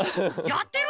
「やってる？」